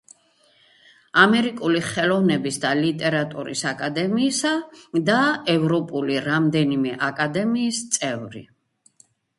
ამერიკული ხელოვნების და ლიტერატურის აკადემიისა და ევროპული რამდენიმე აკადემიის წევრი.